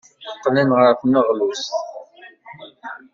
Qqlen ɣer tneɣlust.